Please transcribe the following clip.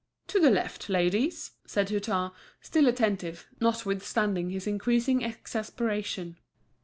"To the left, ladies," said Hutin, still attentive, notwithstanding his increasing exasperation.